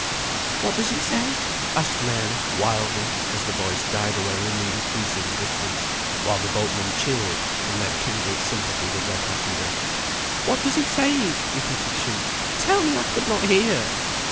"What does he say?" asked Mary wildly, as the voice died away in the increasing distance, while the boatmen cheered, in their kindled sympathy with their passenger. "What does he say?" repeated she. "Tell me. I could not hear."